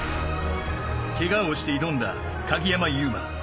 けがをして挑んだ鍵山優真。